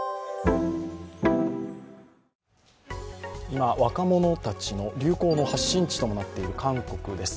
今、若者たちの流行の発信地ともなっている韓国です。